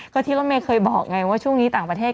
ก็ที่รถเมย์เคยบอกไงว่าช่วงนี้ต่างประเทศ